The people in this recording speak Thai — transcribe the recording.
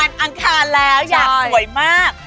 อังคารแล้วอยากสวยมาก